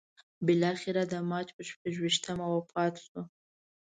بالاخره د مارچ پر شپږویشتمه وفات شو.